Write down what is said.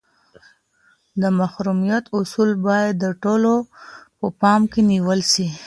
د محرمیت اصول باید د ټولو په پام کي نیول سي.